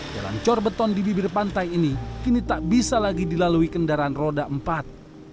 jalan corbeton di bibir pantai ini kini tak bisa lagi dilalui kendaraan roda empat